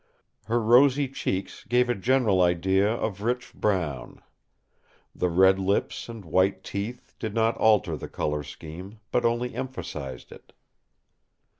Her rosy cheeks gave a general idea of rich brown. The red lips and white teeth did not alter the colour scheme, but only emphasized it.